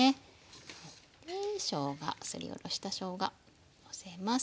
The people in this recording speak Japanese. でしょうがすりおろしたしょうがのせます。